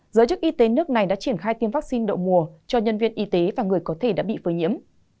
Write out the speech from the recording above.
giới chức y tế nước này đã triển khai tiêm vaccine đậu mùa cho nhân viên y tế và người có thể đã bị phơi nhiễm